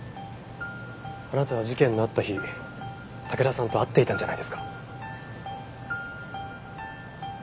あなたは事件のあった日武田さんと会っていたんじゃないですか？